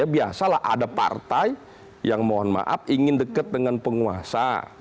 biasalah ada partai yang mohon maaf ingin dekat dengan penguasa